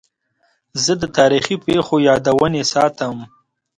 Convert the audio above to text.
زه د تاریخي پیښو یادونې ساتم.